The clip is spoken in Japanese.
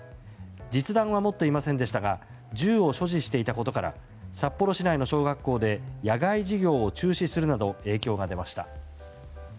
実弾は持っていませんでしたが銃を所持していたことから札幌市内の小学校で野外授業を中止するなど影響が出ました。